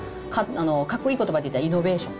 かっこいい言葉で言ったらイノベーション。